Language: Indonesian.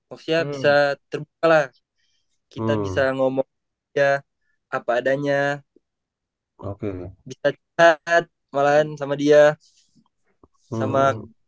of ya bisa terbuka lah kita bisa ngomong ya apa adanya oke malahan sama dia sama